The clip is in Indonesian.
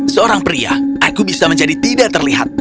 seorang pria aku bisa menjadi tidak terlihat